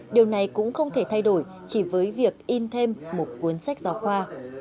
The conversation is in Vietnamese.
điều này cũng không thể thay đổi chỉ với việc in thêm một cuốn sách giáo khoa